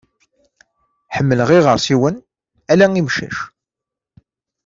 Ḥemmleɣ iɣersiwen, ala imcac.